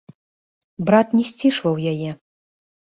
Брат не сцішваў яе.